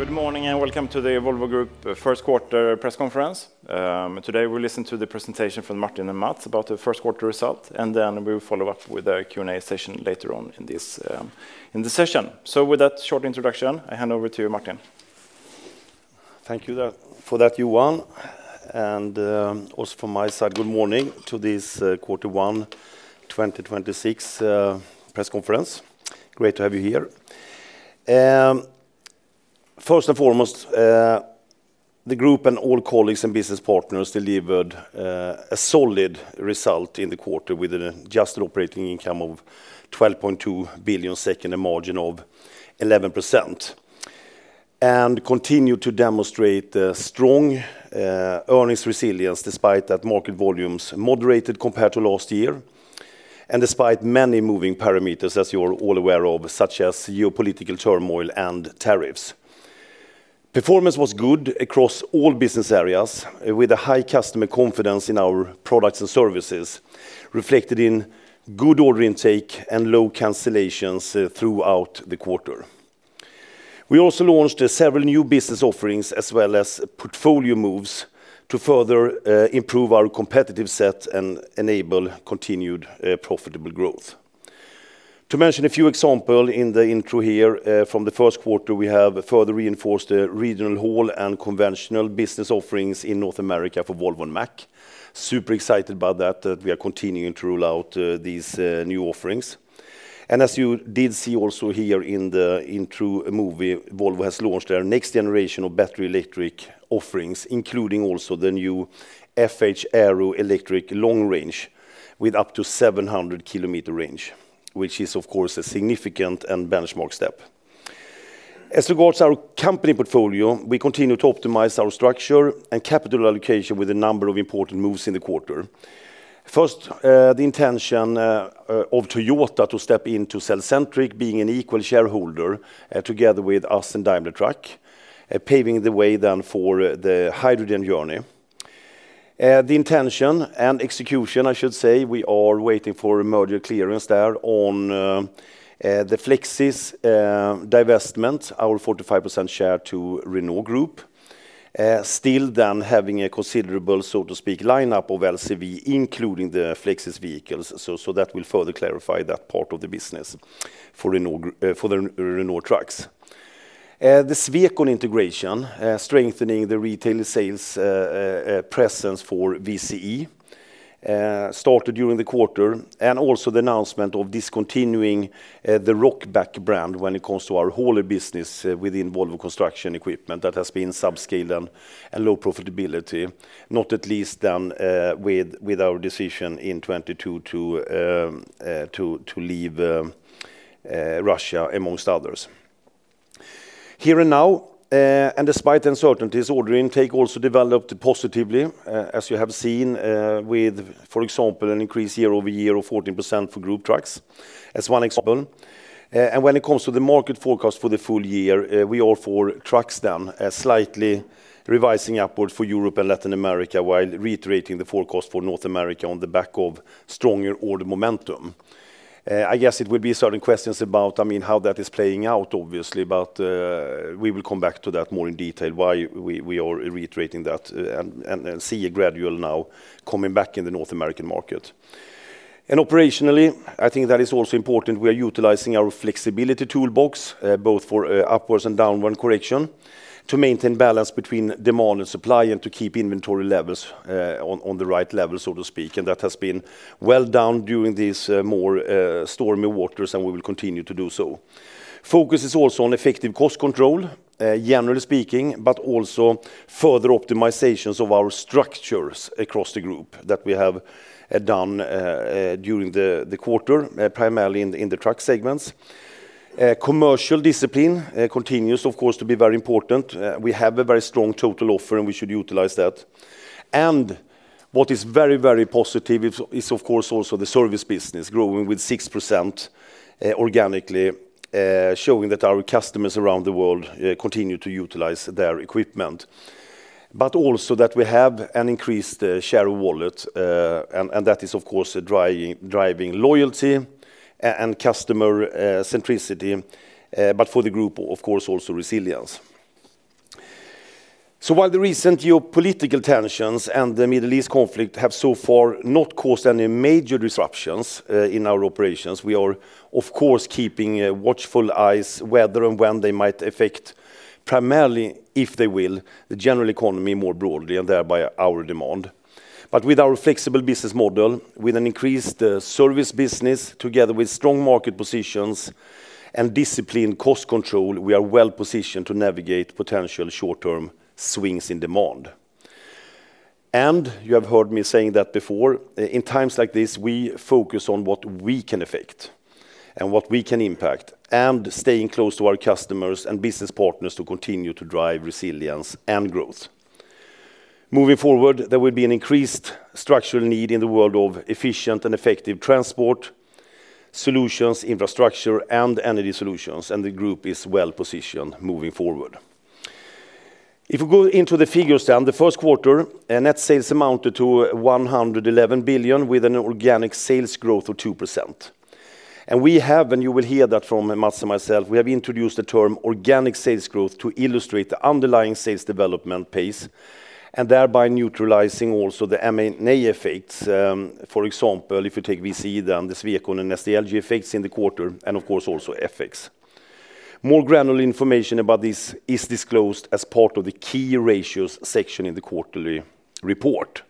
Good morning and welcome to the Volvo Group first quarter press conference. Today we'll listen to the presentation from Martin and Mats about the first quarter results, and then we'll follow up with a Q&A session later on in the session. With that short introduction, I hand over to Martin. Thank you for that, Johan, and also from my side, good morning to this quarter one 2026 press conference. Great to have you here. First and foremost, the Group and all colleagues and business partners delivered a solid result in the quarter with an adjusted operating income of 12.2 billion, second, a margin of 11%. Continue to demonstrate strong earnings resilience despite that market volumes moderated compared to last year, and despite many moving parameters, as you're all aware of, such as geopolitical turmoil and tariffs. Performance was good across all business areas with a high customer confidence in our products and services, reflected in good order intake and low cancellations throughout the quarter. We also launched several new business offerings as well as portfolio moves to further improve our competitive set and enable continued profitable growth. To mention a few examples in the intro here, from the first quarter, we have further reinforced the regional haul and conventional business offerings in North America for Volvo and Mack. Super excited about that we are continuing to roll out these new offerings. As you did see also here in the intro movie, Volvo has launched their next generation of battery electric offerings, including also the new FH Aero Electric long range with up to 700 km range, which is of course a significant and benchmark step. As regards our company portfolio, we continue to optimize our structure and capital allocation with a number of important moves in the quarter. First, the intention of Toyota to step in to cellcentric being an equal shareholder together with us and Daimler Truck, paving the way then for the hydrogen journey. The intention and execution, I should say, we are waiting for merger clearance there on the Flexis divestment, our 45% share to Renault Group. Still then having a considerable, so to speak, lineup of LCV including the Flexis vehicles. That will further clarify that part of the business for Renault Trucks. The Swecon integration, strengthening the retail sales presence for VCE, started during the quarter. Also the announcement of discontinuing the Rokbak brand when it comes to our hauler business within Volvo Construction Equipment, that has been subscale and low profitability, not least with our decision in 2022 to leave Russia, amongst others. Here and now, and despite the uncertainties, order intake also developed positively, as you have seen, with, for example, an increase year-over-year of 14% for Group Trucks, as one example. When it comes to the market forecast for the full year, we are for trucks then, slightly revising upwards for Europe and Latin America while reiterating the forecast for North America on the back of stronger order momentum. I guess it would be certain questions about how that is playing out, obviously, but we will come back to that more in detail, why we are reiterating that, and see a gradual now coming back in the North American market. Operationally, I think that is also important, we are utilizing our flexibility toolbox, both for upwards and downward correction to maintain balance between demand and supply and to keep inventory levels on the right level, so to speak. That has been well done during these more stormy waters, and we will continue to do so. Focus is also on effective cost control, generally speaking, but also further optimizations of our structures across the Group that we have done during the quarter, primarily in the truck segments. Commercial discipline continues, of course, to be very important. We have a very strong total offer and we should utilize that. What is very, very positive is, of course, also the service business growing with 6% organically, showing that our customers around the world continue to utilize their equipment. But also that we have an increased share of wallet, and that is, of course, driving loyalty and customer centricity for the Group, of course, also resilience. While the recent geopolitical tensions and the Middle East conflict have so far not caused any major disruptions in our operations, we are of course keeping watchful eyes whether and when they might affect, primarily if they will, the general economy more broadly and thereby our demand. With our flexible business model, with an increased service business together with strong market positions and disciplined cost control, we are well-positioned to navigate potential short-term swings in demand. You have heard me saying that before, in times like this, we focus on what we can affect and what we can impact, and staying close to our customers and business partners to continue to drive resilience and growth. Moving forward, there will be an increased structural need in the world of efficient and effective transport solutions, infrastructure and energy solutions, and the Group is well-positioned moving forward. If you go into the figures then, the first quarter, net sales amounted to 111 billion, with an organic sales growth of 2%. We have, and you will hear that from Mats and myself, we have introduced the term organic sales growth to illustrate the underlying sales development pace, and thereby neutralizing also the M&A effects. For example, if you take VC, then the Swecon and SDLG effects in the quarter, and of course, also FX. More granular information about this is disclosed as part of the key ratios section in the quarterly report.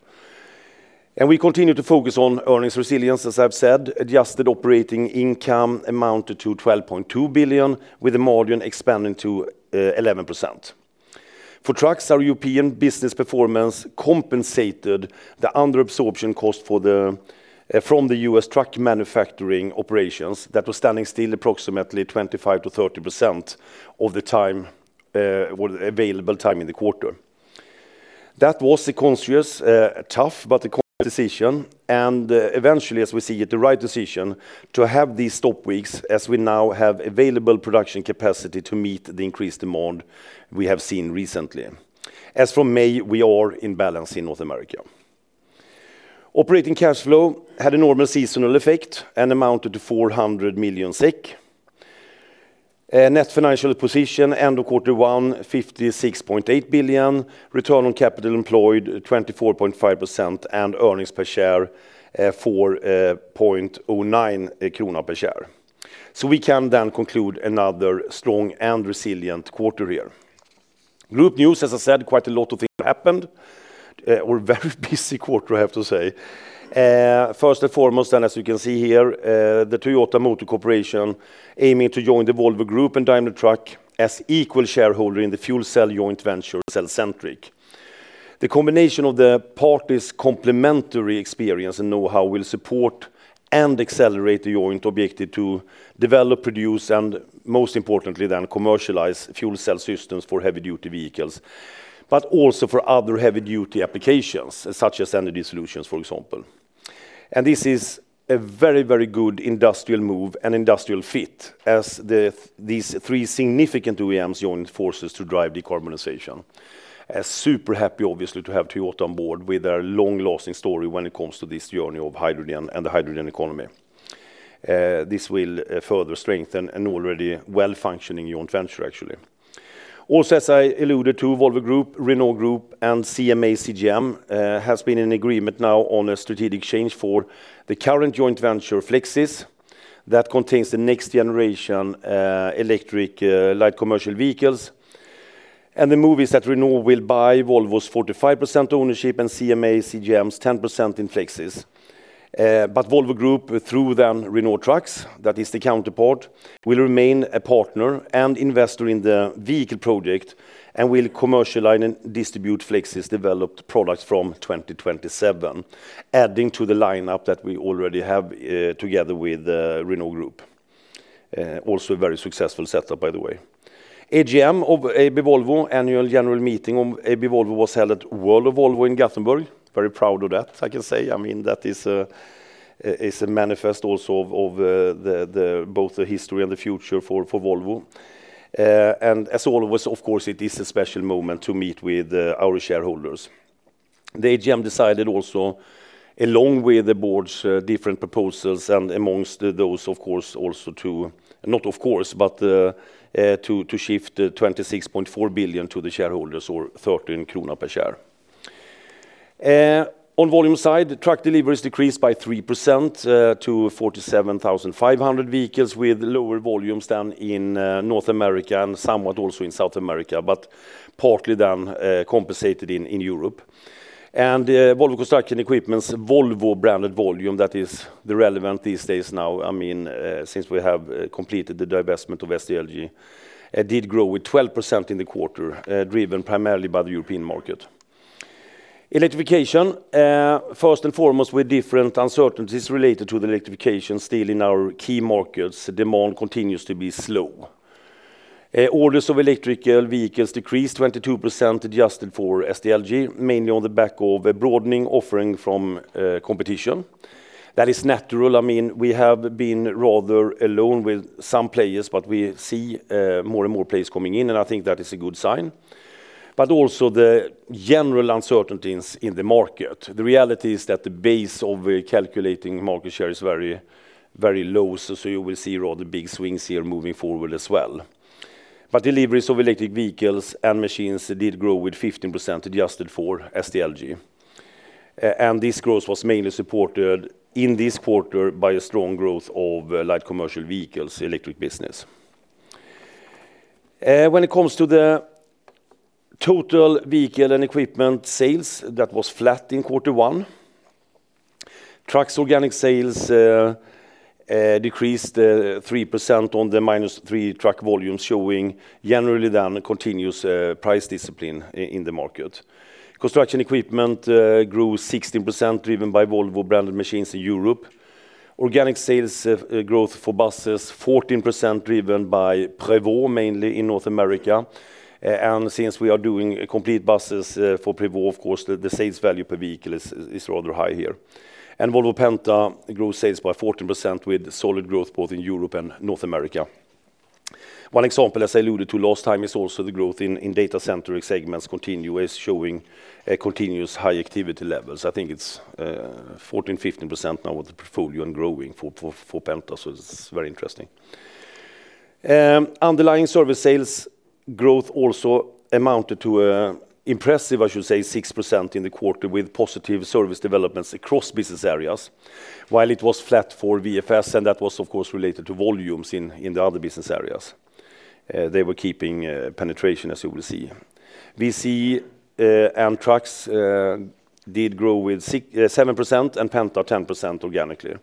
We continue to focus on earnings resilience, as I've said. Adjusted operating income amounted to 12.2 billion, with the margin expanding to 11%. For trucks, our European business performance compensated the under-absorption cost from the U.S. truck manufacturing operations that were standing still approximately 25%-30% of the available time in the quarter. That was a conscious, tough, but a correct decision. Eventually, as we see it, the right decision to have these stop weeks as we now have available production capacity to meet the increased demand we have seen recently. As from May, we are in balance in North America. Operating cash flow had a normal seasonal effect and amounted to 400 million SEK. Net financial position end of quarter one, 56.8 billion. Return on capital employed, 24.5%, and earnings per share, 4.09 kronor per share. We can then conclude another strong and resilient quarter here. Group news, as I said, quite a lot of things happened, or very busy quarter, I have to say. First and foremost then, as you can see here, the Toyota Motor Corporation aiming to join the Volvo Group and Daimler Truck as equal shareholder in the fuel cell joint venture, cellcentric. The combination of the parties' complementary experience and know-how will support and accelerate the joint objective to develop, produce, and most importantly then, commercialize fuel cell systems for heavy-duty vehicles, but also for other heavy-duty applications, such as energy solutions, for example. This is a very good industrial move and industrial fit as these three significant OEMs join forces to drive decarbonization. Super happy, obviously, to have Toyota on board with their long-lasting story when it comes to this journey of hydrogen and the hydrogen economy. This will further strengthen an already well-functioning joint venture, actually. As I alluded to, Volvo Group, Renault Group, and CMA CGM has been in agreement now on a strategic change for the current joint venture, Flexis, that contains the next generation electric light commercial vehicles. The move is that Renault will buy Volvo's 45% ownership and CMA CGM's 10% in Flexis. Volvo Group through then Renault Trucks, that is the counterpart, will remain a partner and investor in the vehicle project and will commercialize and distribute Flexis-developed products from 2027, adding to the lineup that we already have together with Renault Group. A very successful setup, by the way. AGM of AB Volvo, annual general meeting of AB Volvo was held at World of Volvo in Gothenburg. Very proud of that, I can say. That is a manifest also of both the history and the future for Volvo. As always, of course, it is a special moment to meet with our shareholders. The AGM decided also, along with the board's different proposals, and amongst those, of course, also to, not of course, but to shift 26.4 billion to the shareholders or 13 krona per share. On volume side, truck deliveries decreased by 3% to 47,500 vehicles, with lower volumes than in North America and somewhat also in South America, but partly then compensated in Europe. Volvo Construction Equipment's Volvo-branded volume that is relevant these days now, since we have completed the divestment of SDLG, did grow with 12% in the quarter, driven primarily by the European market. Electrification first and foremost, with different uncertainties related to the electrification still in our key markets, demand continues to be slow. Orders of electric vehicles decreased 22% adjusted for SDLG, mainly on the back of a broadening offering from competition. That is natural. We have been rather alone with some players, but we see more and more players coming in, and I think that is a good sign. Also the general uncertainties in the market. The reality is that the base of calculating market share is very low. You will see rather big swings here moving forward as well. Deliveries of electric vehicles and machines did grow with 15% adjusted for SDLG. This growth was mainly supported in this quarter by a strong growth of light commercial vehicles electric business. When it comes to the total vehicle and equipment sales, that was flat in quarter one. Trucks organic sales decreased 3% on the -3% truck volumes, showing generally then a continuous price discipline in the market. Construction equipment grew 16%, driven by Volvo-branded machines in Europe. Organic sales growth for buses, 14%, driven by Prevost, mainly in North America. Since we are doing complete buses for Prevost, of course, the sales value per vehicle is rather high here. Volvo Penta grew sales by 14% with solid growth both in Europe and North America. One example, as I alluded to last time, is also the growth in data center segments continues to show a continuous high activity levels. I think it's 14%-15% now with the portfolio and growing for Penta, so it's very interesting. Underlying service sales growth also amounted to impressive, I should say, 6% in the quarter with positive service developments across business areas. While it was flat for VFS, and that was of course related to volumes in the other business areas. They were keeping penetration, as you will see. VCE and trucks did grow with 7% and Penta 10% organically.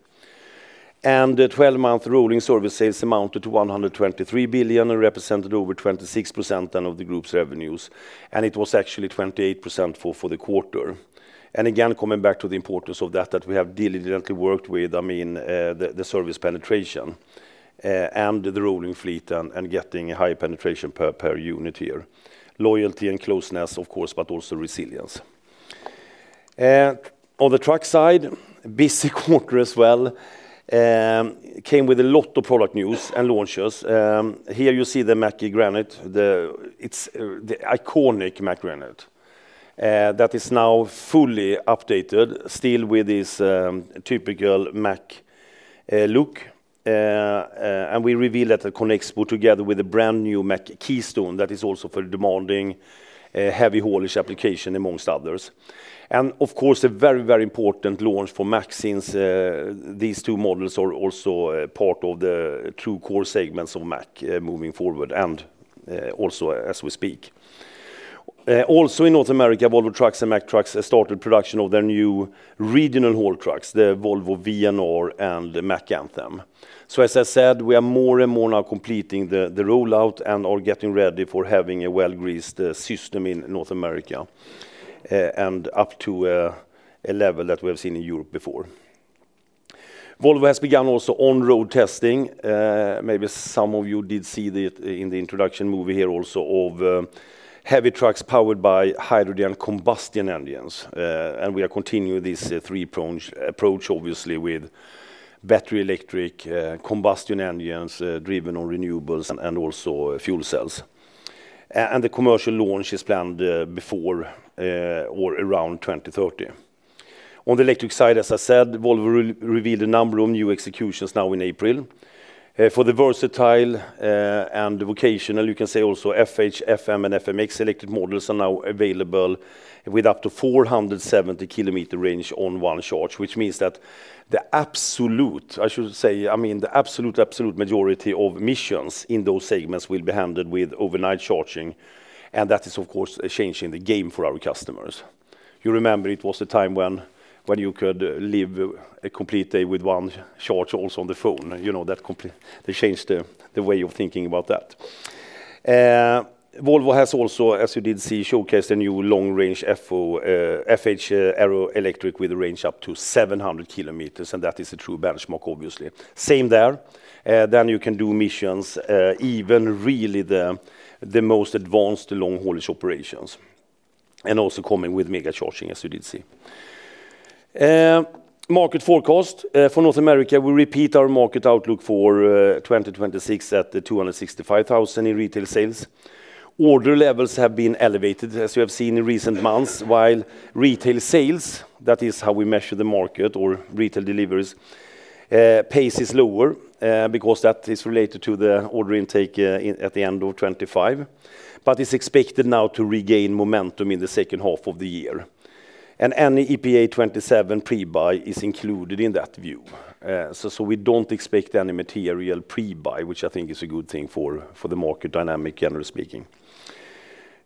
The 12-month rolling service sales amounted to 123 billion and represented over 26% then of the group's revenues, and it was actually 28% for the quarter. Again, coming back to the importance of that we have diligently worked with the service penetration, and the rolling fleet and getting high penetration per unit here. Loyalty and closeness, of course, but also resilience. On the truck side, busy quarter as well, came with a lot of product news and launches. Here you see the Mack Granite. It's the iconic Mack Granite that is now fully updated, still with this typical Mack look. We revealed at the ConExpo together with the brand-new Mack Keystone that is also for demanding heavy haulage application among others. Of course, a very important launch for Mack since these two models are also a part of the true core segments of Mack moving forward and also as we speak. Also in North America, Volvo Trucks and Mack Trucks started production of their new regional haul trucks, the Volvo VNR, and the Mack Anthem. As I said, we are more and more now completing the rollout and are getting ready for having a well-greased system in North America, and up to a level that we have seen in Europe before. Volvo has begun also on-road testing. Maybe some of you did see it in the introduction movie here also of heavy trucks powered by hydrogen combustion engines. We are continuing this three-prong approach obviously with battery electric, combustion engines driven on renewables, and also fuel cells. The commercial launch is planned before or around 2030. On the electric side, as I said, Volvo revealed a number of new executions now in April. For the versatile and the vocational, you can say also FH, FM, and FMX electric models are now available with up to 470 km range on one charge. Which means that the absolute majority of emissions in those segments will be handled with overnight charging, and that is of course a change in the game for our customers. You remember it was a time when you could live a complete day with one charge also on the phone. They changed the way of thinking about that. Volvo has also, as you did see, showcased a new long-range FH Aero Electric with a range up to 700 km, and that is a true benchmark, obviously. Same there, then you can do missions, even really the most advanced long-haulage operations, and also coming with mega charging, as you did see. Market forecast. For North America, we repeat our market outlook for 2026 at 265,000 in retail sales. Order levels have been elevated, as you have seen in recent months, while retail sales, that is how we measure the market or retail deliveries, pace is lower, because that is related to the order intake at the end of 2025, but is expected now to regain momentum in the second half of the year. Any EPA 2027 pre-buy is included in that view. We don't expect any material pre-buy, which I think is a good thing for the market dynamic, generally speaking.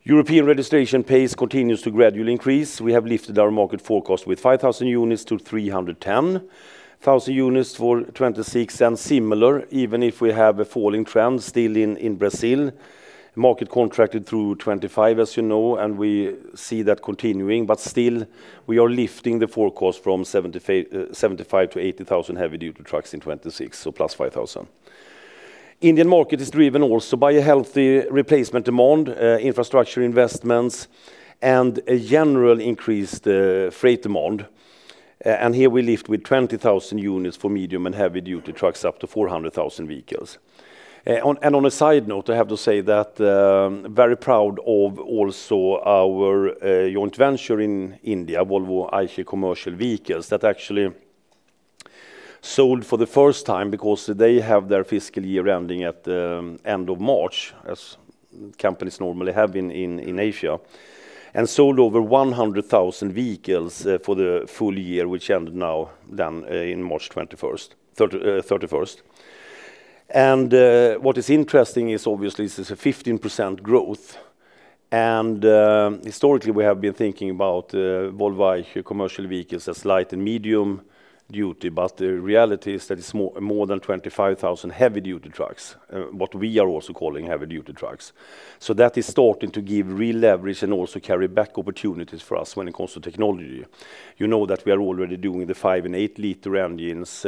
European registration pace continues to gradually increase. We have lifted our market forecast with 5,000 units to 310,000 units for 2026 and similar, even if we have a falling trend still in Brazil. Market contracted through 2025, as you know, and we see that continuing, but still, we are lifting the forecast from 75,000 to 80,000 heavy-duty trucks in 2026, so plus 5,000. Indian market is driven also by a healthy replacement demand, infrastructure investments, and a general increased freight demand. Here we lift with 20,000 units for medium and heavy-duty trucks up to 400,000 vehicles. On a side note, I have to say that I'm very proud of also our joint venture in India, VE Commercial Vehicles, that actually sold for the first time because they have their fiscal year ending at the end of March, as companies normally have in Asia. Sold over 100,000 vehicles for the full year, which ended now then in March 31st. What is interesting is obviously this is a 15% growth. Historically we have been thinking about VE Commercial Vehicles as light and medium-duty, but the reality is that it's more than 25,000 heavy-duty trucks, what we are also calling heavy-duty trucks. That is starting to give real leverage and also carry back opportunities for us when it comes to technology. You know that we are already doing the five- and eight-liter engines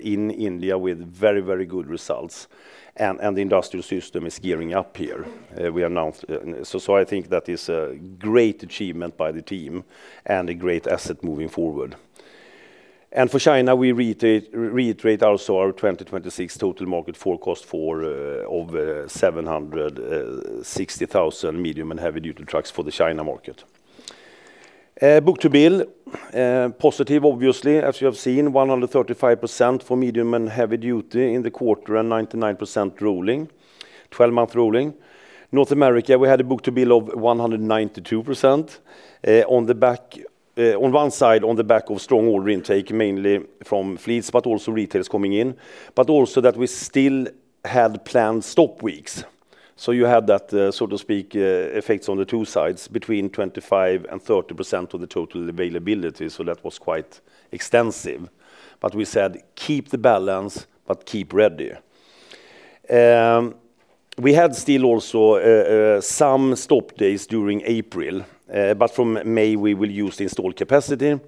in India with very good results, and the industrial system is gearing up here. I think that is a great achievement by the team and a great asset moving forward. For China, we reiterate also our 2026 total market forecast of 760,000 medium and heavy-duty trucks for the China market. Book-to-bill, positive obviously, as you have seen, 135% for medium and heavy duty in the quarter and 99% rolling, 12-month rolling. North America, we had a book-to-bill of 192% on one side on the back of strong order intake, mainly from fleets, but also retailers coming in, but also that we still had planned stop weeks. You had that, so to speak, effects on the two sides between 25% and 30% of the total availability. That was quite extensive. We said, "Keep the balance, but keep ready." We had still also some stop days during April. From May, we will use the installed capacity.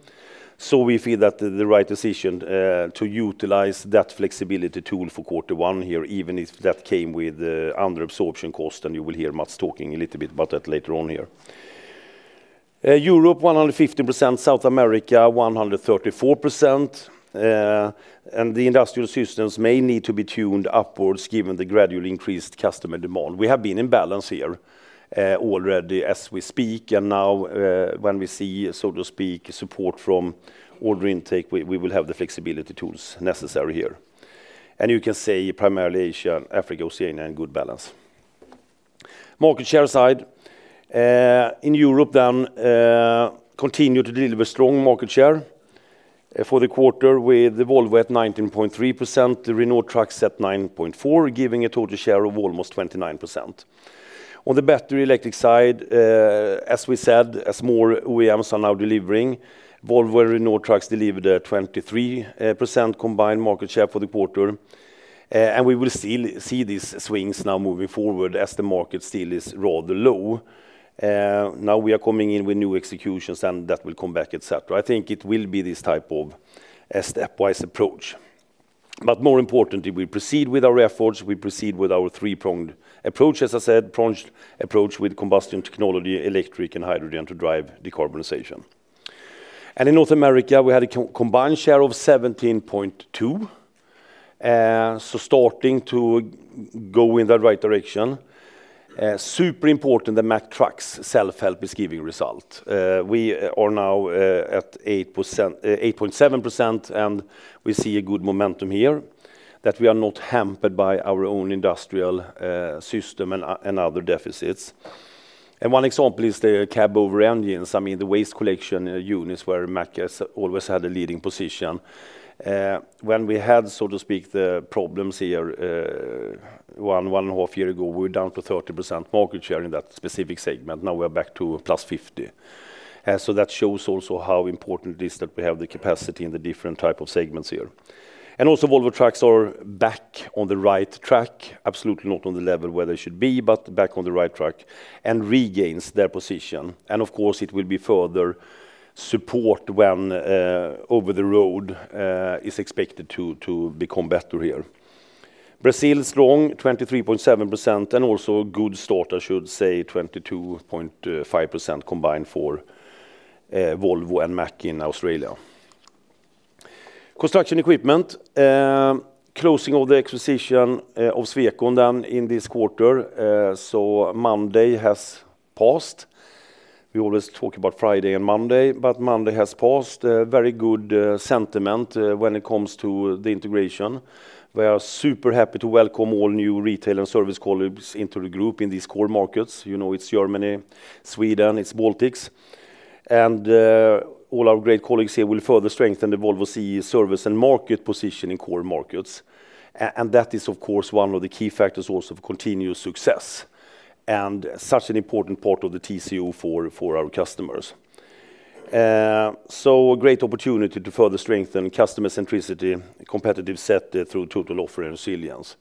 We feel that the right decision to utilize that flexibility tool for quarter one here, even if that came with under absorption cost, and you will hear Mats talking a little bit about that later on here. Europe 150%, South America 134%, and the industrial systems may need to be tuned upwards given the gradually increased customer demand. We have been in balance here, already as we speak. Now, when we see, so to speak, support from order intake, we will have the flexibility tools necessary here. You can say primarily Asia, Africa, Oceania in good balance. Market share side. In Europe then, continue to deliver strong market share for the quarter with Volvo at 19.3%, the Renault Trucks at 9.4%, giving a total share of almost 29%. On the battery electric side, as we said, as more OEMs are now delivering, Volvo and Renault Trucks delivered a 23% combined market share for the quarter. We will still see these swings now moving forward as the market still is rather low. Now we are coming in with new executions and that will come back, et cetera. I think it will be this type of a stepwise approach. More importantly, we proceed with our efforts, we proceed with our three-pronged approach. As I said, pronged approach with combustion technology, electric, and hydrogen to drive decarbonization. In North America, we had a combined share of 17.2%, so starting to go in the right direction. Super important that Mack Trucks self-help is giving result. We are now at 8.7%, and we see a good momentum here that we are not hampered by our own industrial system and other deficits. One example is the cab over engines. I mean, the waste collection units where Mack has always had a leading position. When we had, so to speak, the problems here, 1.5 years ago, we were down to 30% market share in that specific segment. Now we are back to 50%. That shows also how important it is that we have the capacity in the different type of segments here. Also Volvo Trucks are back on the right track. Absolutely not on the level where they should be, but back on the right track and regain their position. Of course, it will be further support when over the road is expected to become better here. Brazil is strong, 23.7%, and also a good start, I should say 22.5% combined for Volvo and Mack in Australia. Construction equipment closing of the acquisition of Swecon then in this quarter. Monday has passed. We always talk about Friday and Monday, but Monday has passed. Very good sentiment when it comes to the integration. We are super happy to welcome all new retail and service colleagues into the group in these core markets. You know, it's Germany, Sweden, it's Baltics. All our great colleagues here will further strengthen the Volvo CE service and market position in core markets. That is of course, one of the key factors also for continuous success and such an important part of the TCO for our customers. A great opportunity to further strengthen customer centricity, competitive set through total offer and resilience.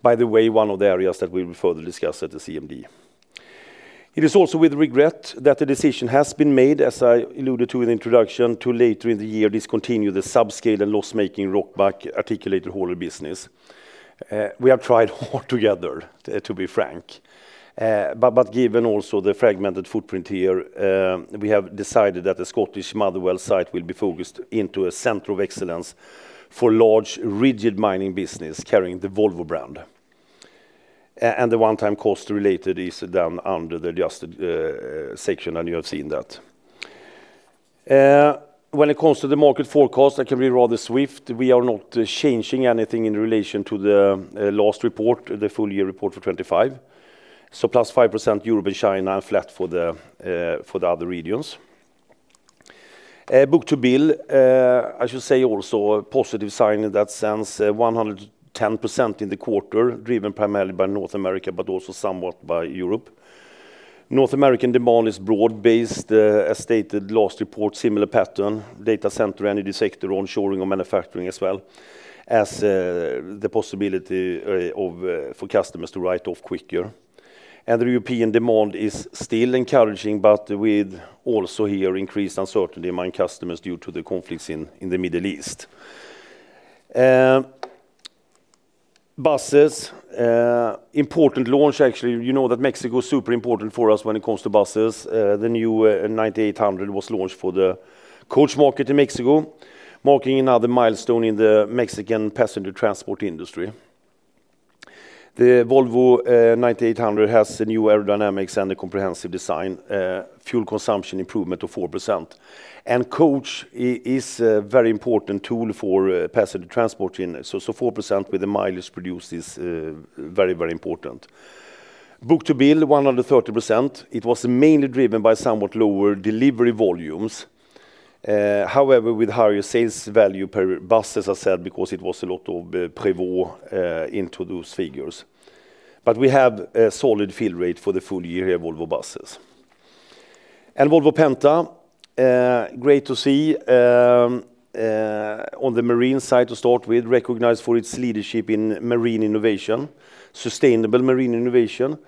By the way, one of the areas that we will further discuss at the CMD. It is also with regret that the decision has been made, as I alluded to in the introduction, to discontinue later in the year the subscale and loss-making Rokbak articulated hauler business. We have tried hard together to be frank. Given also the fragmented footprint here, we have decided that the Scottish Motherwell site will be focused into a center of excellence for large, rigid mining business carrying the Volvo brand. The one-time cost related is done under the adjusted section, and you have seen that. When it comes to the market forecast, I can be rather swift. We are not changing anything in relation to the last report, the full-year report for 2025. Plus 5% Europe and China, flat for the other regions. Book-to-bill, I should say also a positive sign in that sense, 110% in the quarter, driven primarily by North America, but also somewhat by Europe. North American demand is broad-based. As stated last report, similar pattern, data center, energy sector onshoring of manufacturing as well as the possibility for customers to write off quicker. The European demand is still encouraging, but with also here increased uncertainty among customers due to the conflicts in the Middle East. Buses. Important launch, actually. You know that Mexico is super important for us when it comes to buses. The new 9800 was launched for the coach market in Mexico, marking another milestone in the Mexican passenger transport industry. The Volvo 9800 has the new aerodynamics and the comprehensive design, fuel consumption improvement of 4%. Coach is a very important tool for passenger transport. 4% with the mileage produced is very important. Book-to-bill, 130%. It was mainly driven by somewhat lower delivery volumes. However, with higher sales value per bus, as I said, because it was a lot of Prevost into those figures. We have a solid fill rate for the full year here at Volvo Buses. Volvo Penta, great to see on the marine side, to start with, recognized for its leadership in sustainable marine innovation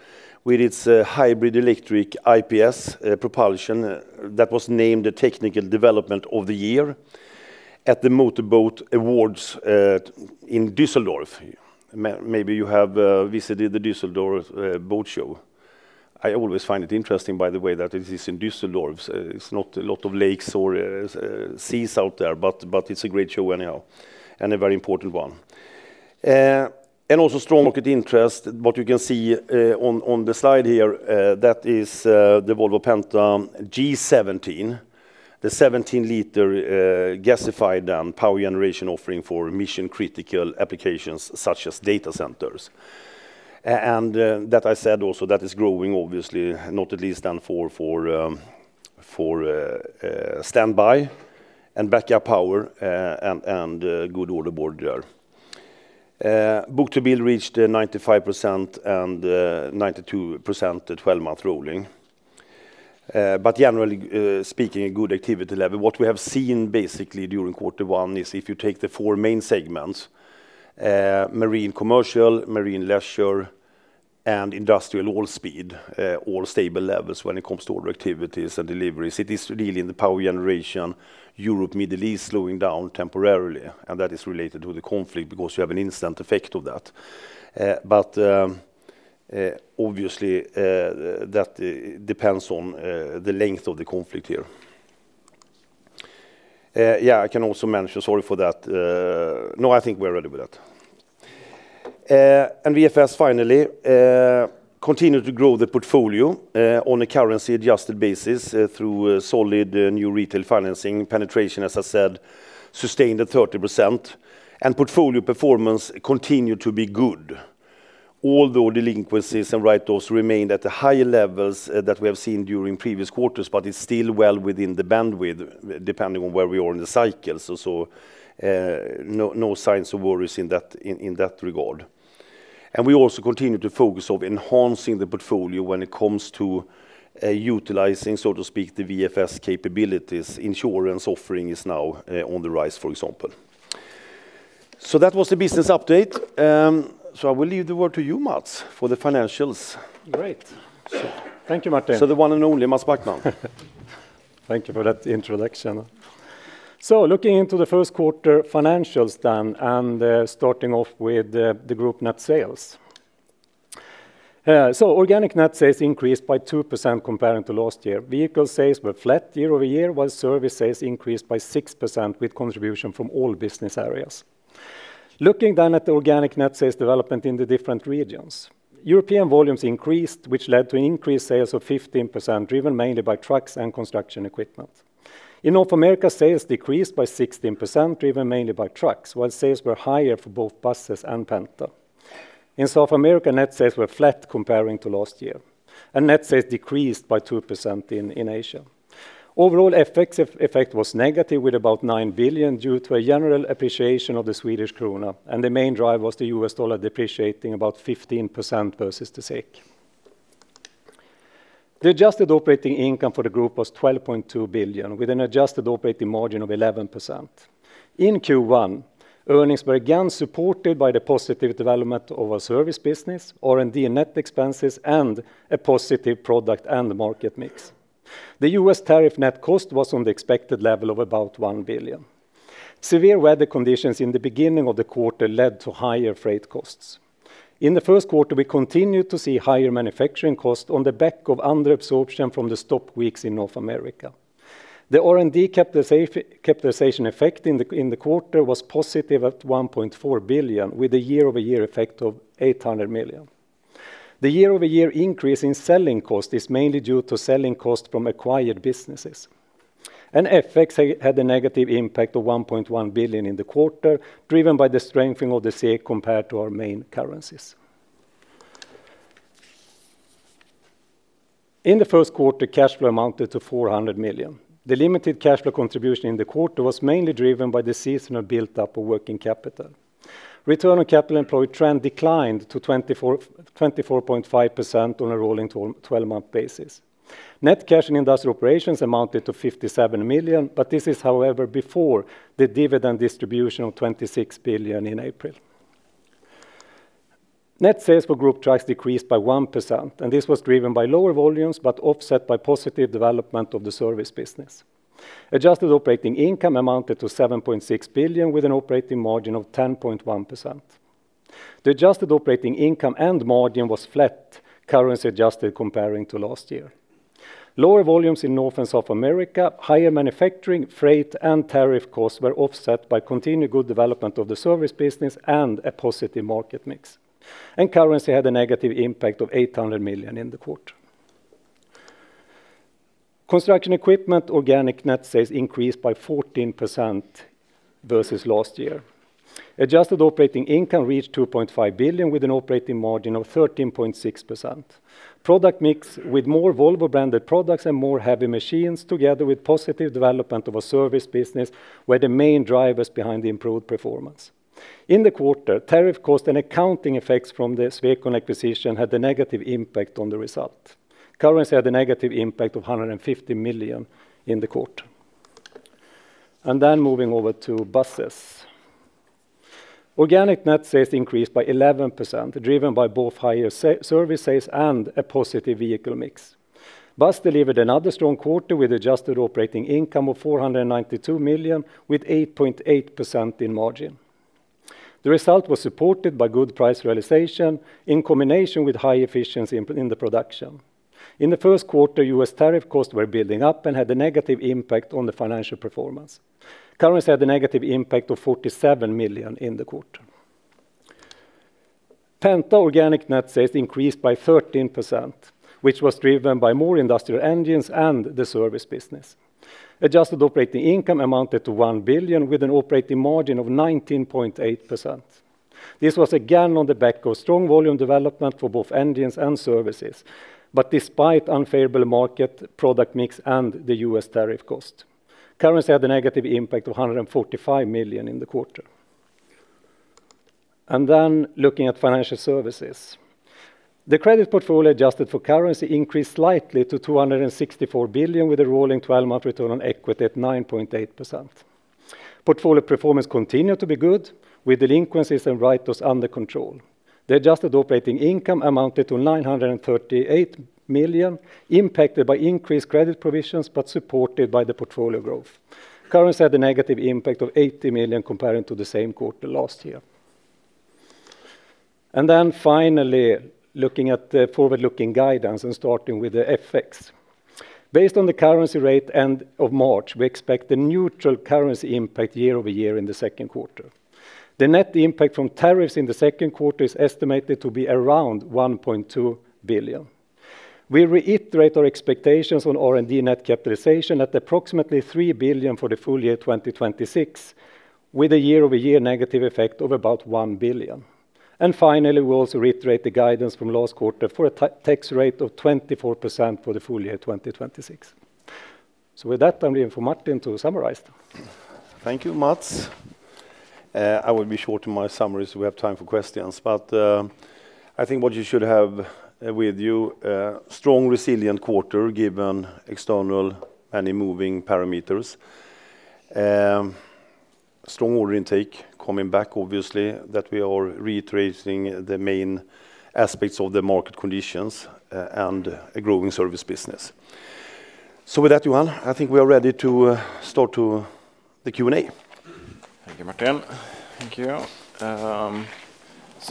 with its hybrid electric IPS propulsion that was named the Technical Development of the Year at the Motor Boat Awards in Düsseldorf. Maybe you have visited the Düsseldorf Boat Show. I always find it interesting, by the way, that it is in Düsseldorf. It's not a lot of lakes or seas out there. It's a great show anyhow, and a very important one. also strong market interest. What you can see on the slide here, that is the Volvo Penta G17, the 17-liter gas-powered power generation offering for mission-critical applications such as data centers. that I said also that is growing obviously, not least for standby and backup power, and good order board there. book-to-bill reached 95% and 92% at 12-month rolling. Generally speaking, a good activity level. What we have seen basically during quarter one is if you take the four main segments, marine commercial, marine leisure, and industrial off-highway, all stable levels when it comes to order activities and deliveries. It is really in the power generation, Europe, Middle East, slowing down temporarily. That is related to the conflict because you have an instant effect of that. Obviously, that depends on the length of the conflict here. Yeah, I can also mention, sorry for that. No, I think we're ready with that. VFS finally continue to grow the portfolio on a currency-adjusted basis through solid new retail financing penetration, as I said, sustained at 30%, and portfolio performance continued to be good. Although delinquencies and write-offs remained at the higher levels that we have seen during previous quarters, but it's still well within the bandwidth depending on where we are in the cycle. No signs of worries in that regard. We also continue to focus on enhancing the portfolio when it comes to utilizing, so to speak, the VFS capabilities. Insurance offering is now on the rise, for example. That was the business update. I will leave the word to you, Mats, for the financials. Great. Thank you, Martin. The one and only Mats Backman. Thank you for that introduction. Looking into the first quarter financials then, and starting off with the group net sales. Organic net sales increased by 2% compared to last year. Vehicle sales were flat year-over-year, while service sales increased by 6% with contribution from all business areas. Looking at the organic net sales development in the different regions. European volumes increased, which led to increased sales of 15%, driven mainly by trucks and construction equipment. In North America, sales decreased by 16%, driven mainly by trucks, while sales were higher for both buses and Penta. In South America, net sales were flat compared to last year, and net sales decreased by 2% in Asia. Overall FX effect was negative with about 9 billion due to a general appreciation of the Swedish krona, and the main drive was the U.S. dollar depreciating about 15% versus the SEK. The adjusted operating income for the group was 12.2 billion, with an adjusted operating margin of 11%. In Q1, earnings were again supported by the positive development of our service business, R&D net expenses, and a positive product and market mix. The U.S. tariff net cost was on the expected level of about 1 billion. Severe weather conditions in the beginning of the quarter led to higher freight costs. In the first quarter, we continued to see higher manufacturing costs on the back of under absorption from the stop weeks in North America. The R&D capitalization effect in the quarter was positive at 1.4 billion, with a year-over-year effect of 800 million. The year-over-year increase in selling cost is mainly due to selling cost from acquired businesses. FX had a negative impact of 1.1 billion in the quarter, driven by the strengthening of the SEK compared to our main currencies. In the first quarter, cash flow amounted to 400 million. The limited cash flow contribution in the quarter was mainly driven by the seasonal buildup of working capital. Return on capital employed trend declined to 24.5% on a rolling 12-month basis. Net cash in industrial operations amounted to 57 million, but this is, however, before the dividend distribution of 26 billion in April. Net sales for Group Trucks decreased by 1%, and this was driven by lower volumes, but offset by positive development of the service business. Adjusted operating income amounted to 7.6 billion, with an operating margin of 10.1%. The adjusted operating income and margin was flat, currency-adjusted comparing to last year. Lower volumes in North and South America, higher manufacturing, freight, and tariff costs were offset by continued good development of the service business and a positive market mix. Currency had a negative impact of 800 million in the quarter. Construction Equipment organic net sales increased by 14% versus last year. Adjusted operating income reached 2.5 billion with an operating margin of 13.6%. Product mix with more Volvo-branded products and more heavy machines, together with positive development of our service business, were the main drivers behind the improved performance. In the quarter, tariff costs and accounting effects from the Swecon acquisition had a negative impact on the result. Currency had a negative impact of 150 million in the quarter. Moving over to Buses. Organic net sales increased by 11%, driven by both higher service sales and a positive vehicle mix. Bus delivered another strong quarter with adjusted operating income of 492 million with 8.8% in margin. The result was supported by good price realization in combination with high efficiency in the production. In the first quarter, U.S. tariff costs were building up and had a negative impact on the financial performance. Currency had a negative impact of 47 million in the quarter. Penta organic net sales increased by 13%, which was driven by more industrial engines and the service business. Adjusted operating income amounted to 1 billion with an operating margin of 19.8%. This was again on the back of strong volume development for both engines and services, but despite unfavorable market product mix and the U.S. tariff cost. Currency had a negative impact of 145 million in the quarter. Looking at financial services. The credit portfolio, adjusted for currency, increased slightly to 264 billion, with a rolling 12-month return on equity at 9.8%. Portfolio performance continued to be good, with delinquencies and write-offs under control. The adjusted operating income amounted to 938 million, impacted by increased credit provisions but supported by the portfolio growth. Currency had a negative impact of 80 million comparing to the same quarter last year. Looking at the forward-looking guidance and starting with the FX. Based on the currency rate end of March, we expect a neutral currency impact year-over-year in the second quarter. The net impact from tariffs in the second quarter is estimated to be around 1.2 billion. We reiterate our expectations on R&D net capitalization at approximately 3 billion for the full year 2026, with a year-over-year negative effect of about 1 billion. Finally, we also reiterate the guidance from last quarter for a tax rate of 24% for the full year 2026. With that, I'm leaving for Martin to summarize. Thank you, Mats. I will be short in my summary so we have time for questions. I think what you should have with you, a strong, resilient quarter given external and moving parameters. Strong order intake coming back, obviously, that we are reiterating the main aspects of the market conditions and a growing service business. With that, Johan, I think we are ready to start to the Q&A. Thank you, Martin. Thank you.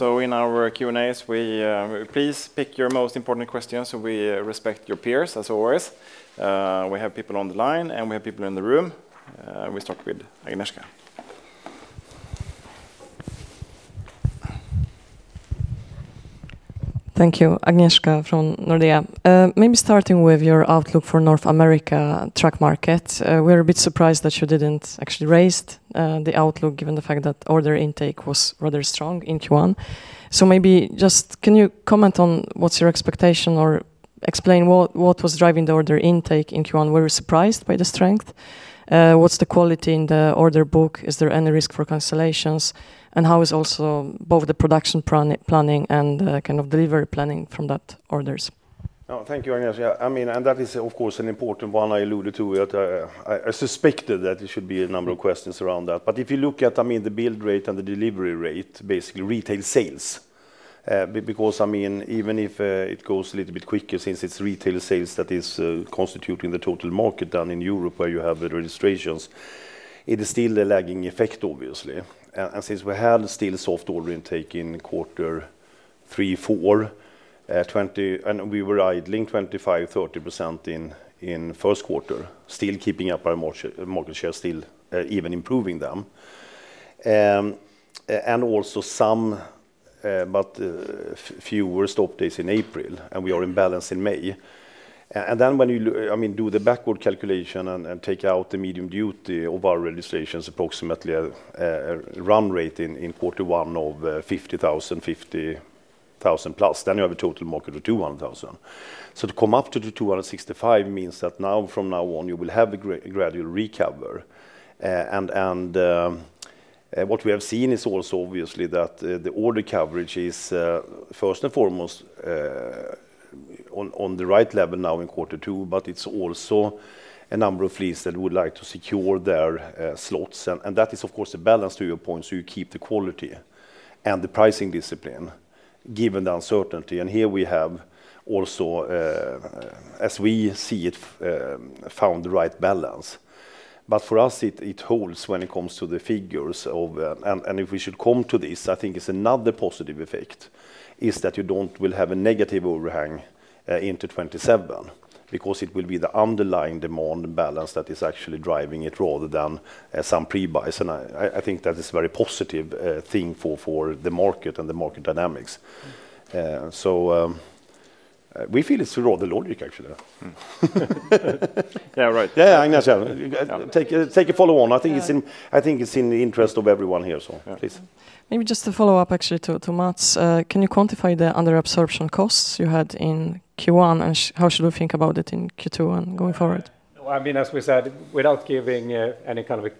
In our Q&As, please pick your most important questions so we respect your peers as always. We have people on the line and we have people in the room. We start with Agnieszka. Thank you. Agnieszka from Nordea. Maybe starting with your outlook for North America truck market. We're a bit surprised that you didn't actually raise the outlook given the fact that order intake was rather strong in Q1. Maybe just can you comment on what's your expectation or explain what was driving the order intake in Q1? We were surprised by the strength. What's the quality in the order book? Is there any risk for cancellations? How is also both the production planning and delivery planning from those orders? Oh, thank you, Agnieszka. That is, of course, an important one. I alluded to it. I suspected that there should be a number of questions around that. If you look at the build rate and the delivery rate, basically retail sales. Because even if it goes a little bit quicker, since it's retail sales that is constituting the total market than in Europe where you have the registrations, it is still a lagging effect, obviously. Since we had still soft order intake in quarter 3-4, and we were idling 25%-30% in first quarter, still keeping up our market share, still even improving them. Also some, but fewer stop days in April, and we are in balance in May. Then when you do the backward calculation and take out the medium duty of our registrations, approximately a run rate in quarter one of 50,000+, then you have a total market of 200,000. To come up to the 265,000 means that from now on, you will have a gradual recovery. What we have seen is also obviously that the order coverage is, first and foremost on the right level now in quarter two, but it's also a number of fleets that would like to secure their slots, and that is, of course, a balance to your point. You keep the quality and the pricing discipline given the uncertainty. Here we have also, as we see it, found the right balance. For us, it holds when it comes to the figures of... If we should come to this, I think it's another positive effect is that you don't will have a negative overhang into 2027 because it will be the underlying demand balance that is actually driving it rather than some pre-buys. I think that is a very positive thing for the market and the market dynamics. We feel it's the rather logic, actually. Yeah. Right. Yeah, Agnieszka. Take a follow on. I think it's in the interest of everyone here, so please. Maybe just to follow up, actually, to Mats. Can you quantify the under absorption costs you had in Q1? How should we think about it in Q2 and going forward? No. As we said, without giving any kind of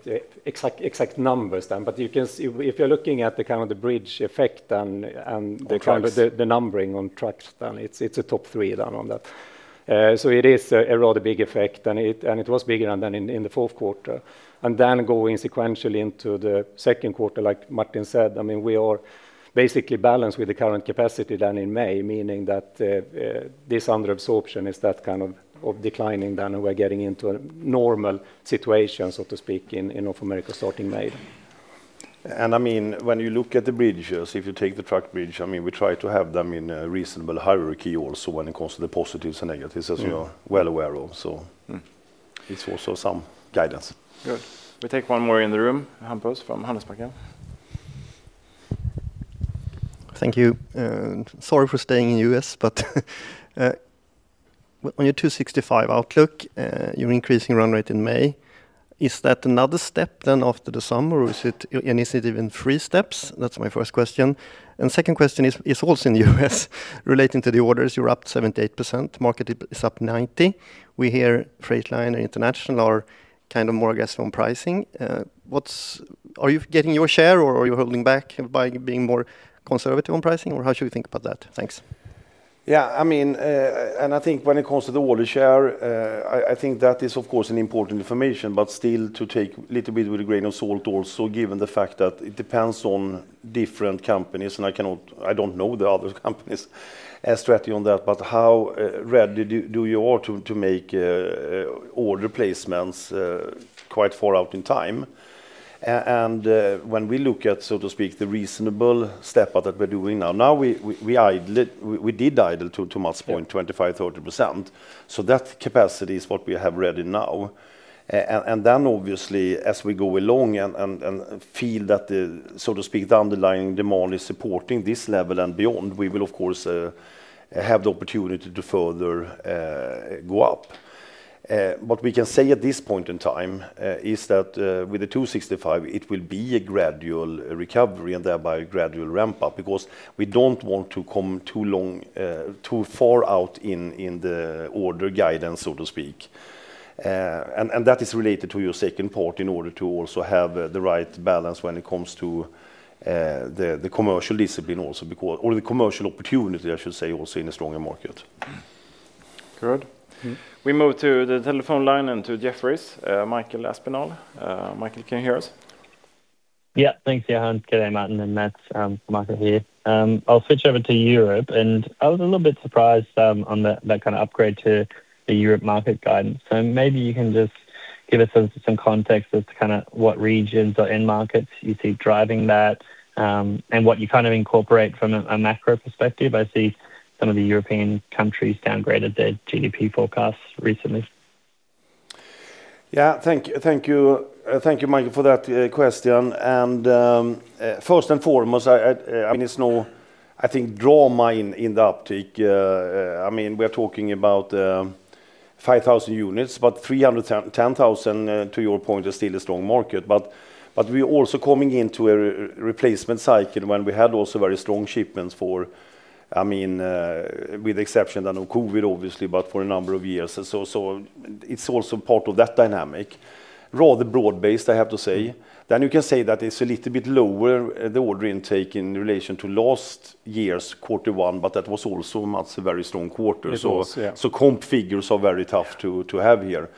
exact numbers then, but you can see if you're looking at the bridge effect and On trucks The numbering on trucks, then it's a top three then on that. It is a rather big effect, and it was bigger than in the fourth quarter. Then going sequentially into the second quarter, like Martin said, we are basically balanced with the current capacity than in May, meaning that this under absorption is that kind of declining then, and we're getting into a normal situation, so to speak, in North America starting May. When you look at the bridges, if you take the truck bridge, we try to have them in a reasonable hierarchy also when it comes to the positives and negatives, as you are well aware of. It's also some guidance. Good. We take one more in the room, Hampus from Handelsbanken. Thank you. Sorry for staying in U.S., but on your 265 outlook, you're increasing run rate in May. Is that another step then after the summer, or is it initially even three steps? That's my first question. Second question is also in the U.S. relating to the orders. You're up 78%, market is up 90%. We hear Freightliner, International are more aggressive on pricing. Are you getting your share or are you holding back by being more conservative on pricing, or how should we think about that? Thanks. Yeah. I think when it comes to the order share, I think that is, of course, an important information, but still to take a little bit with a grain of salt also, given the fact that it depends on different companies, and I don't know the other companies' strategy on that, but how ready you are to make order placements quite far out in time. When we look at, so to speak, the reasonable step up that we're doing now we added, to Mats' point, 25%-30%. That capacity is what we have ready now. Then obviously as we go along and feel that the, so to speak, the underlying demand is supporting this level and beyond, we will of course have the opportunity to further go up. What we can say at this point in time is that with the 265 it will be a gradual recovery and thereby gradual ramp up because we don't want to come too far out in the order guidance so to speak. That is related to your second part in order to also have the right balance when it comes to the commercial discipline or the commercial opportunity I should say also in a stronger market. Good. We move to the telephone line and to Jefferies, Michael Aspinall. Michael, can you hear us? Yeah. Thanks, Johan. Good day, Martin and Mats. Michael here. I'll switch over to Europe, and I was a little bit surprised on that kind of upgrade to the Europe market guidance. Maybe you can just give us some context as to what regions or end markets you see driving that, and what you incorporate from a macro perspective. I see some of the European countries downgraded their GDP forecasts recently. Yeah. Thank you, Michael, for that question. First and foremost, there's no, I think, dilemma in the uptick. We're talking about 5,000 units, but 310,000, to your point, is still a strong market. We're also coming into a replacement cycle when we had also very strong shipments for, with the exception of COVID, obviously, but for a number of years. It's also part of that dynamic. Rather broad-based, I have to say. You can say that it's a little bit lower, the order intake in relation to last year's quarter one, but that was also Mats', a very strong quarter. It was, yeah. Comp figures are very tough to have here.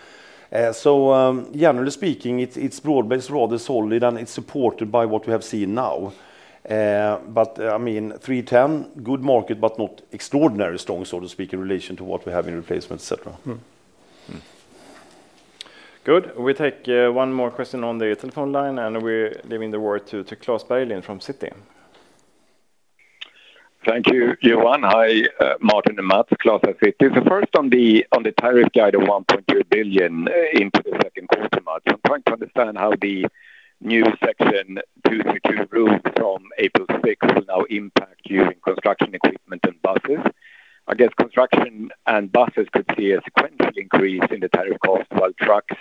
Generally speaking, it's broad-based, rather solid, and it's supported by what we have seen now. 310,000, good market, but not extraordinarily strong, so to speak, in relation to what we have in replacement, et cetera. Good. We take one more question on the telephone line, and we're giving the word to Klas Bergelind from Citi. Thank you, Johan. Hi, Martin and Mats. Klas at Citi. First, on the tariff guide of 1.2 billion into the second quarter, Mats, I'm trying to understand how the new Section 232 rule from April 6 will now impact you in construction equipment and buses. I guess construction and buses could see a sequential increase in the tariff cost while trucks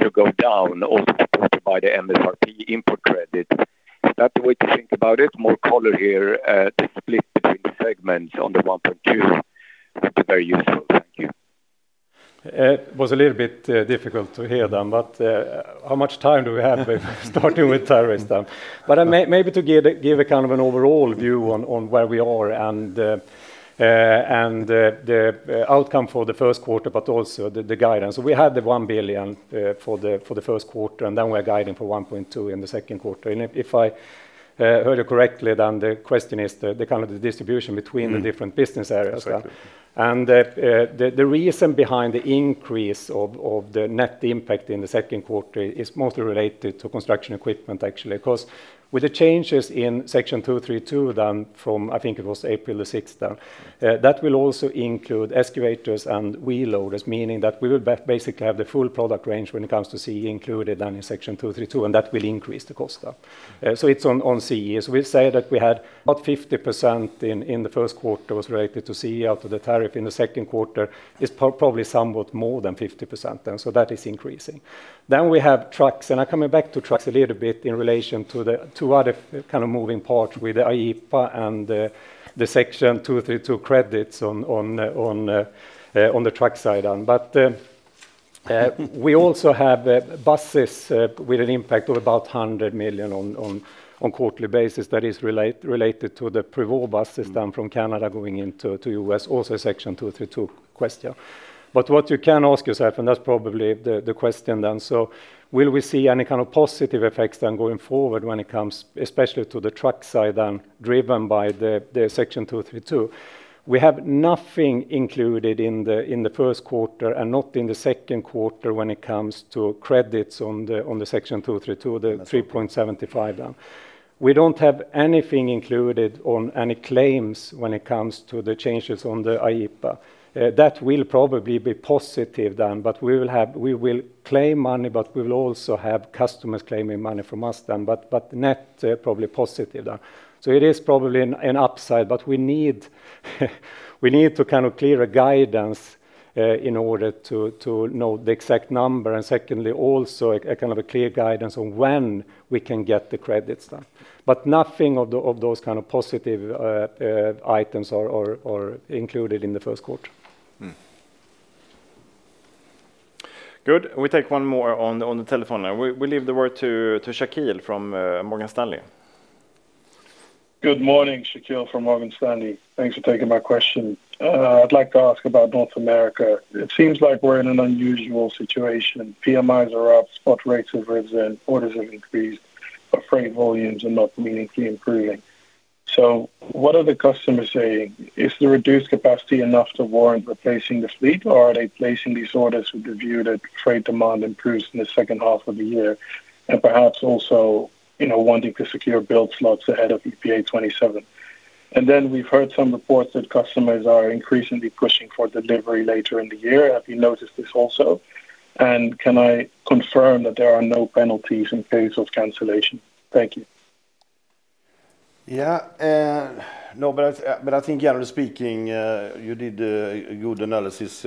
should go down, also supported by the MSRP import credit. Is that the way to think about it? More color here, the split between segments on the 1.2 billion would be very useful. It was a little bit difficult to hear then, but how much time do we have starting with tariffs then? Maybe to give an overall view on where we are and the outcome for the first quarter, but also the guidance. We had 1 billion for the first quarter, and then we're guiding for 1.2 billion in the second quarter. If I heard you correctly, then the question is the distribution between the different business areas. Exactly. The reason behind the increase of the net impact in the second quarter is mostly related to construction equipment, actually. Because with the changes in Section 232 then from, I think it was April the 6th then, that will also include excavators and wheel loaders, meaning that we would basically have the full product range when it comes to CE included down in Section 232, and that will increase the cost. It's on CEs. We say that we had about 50% in the first quarter was related to CE after the tariff. In the second quarter, it's probably somewhat more than 50%, so that is increasing. We have trucks, and I'm coming back to trucks a little bit in relation to the two other moving parts with the IEEPA and the Section 232 credits on the truck side. We also have buses with an impact of about 100 million on quarterly basis that is related to the Prevost bus system from Canada going into U.S., also Section 232 question. What you can ask yourself, and that's probably the question then, so will we see any kind of positive effects then going forward when it comes especially to the truck side then driven by the Section 232? We have nothing included in the first quarter and not in the second quarter when it comes to credits on the Section 232, the 3.75 then. We don't have anything included on any claims when it comes to the changes on the IEEPA. That will probably be positive then, but we will claim money, but we will also have customers claiming money from us then. Net, probably positive then. It is probably an upside, but we need clearer guidance, in order to know the exact number, and secondly, also clearer guidance on when we can get the credits then. Nothing of those kind of positive items are included in the first quarter. Good. We take one more on the telephone. We leave the word to Shaqeal from Morgan Stanley. Good morning. Shaqeal from Morgan Stanley. Thanks for taking my question. I'd like to ask about North America. It seems like we're in an unusual situation. PMIs are up, spot rates have risen, orders have increased, but freight volumes are not meaningfully improving. What are the customers saying? Is the reduced capacity enough to warrant replacing the fleet, or are they placing these orders with the view that freight demand improves in the second half of the year and perhaps also wanting to secure build slots ahead of EPA 2027? Then we've heard some reports that customers are increasingly pushing for delivery later in the year. Have you noticed this also? Can I confirm that there are no penalties in case of cancellation? Thank you. Yeah. No, but I think generally speaking, you did a good analysis